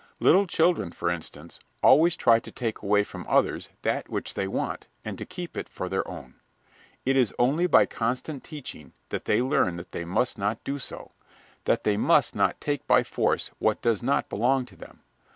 Little children, for instance, always try to take away from others that which they want, and to keep it for their own. It is only by constant teaching that they learn that they must not do so; that they must not take by force what does not belong to them.